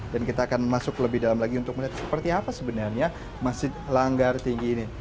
dan kita akan masuk lebih dalam lagi untuk melihat seperti apa sebenarnya masjid langgar tinggi ini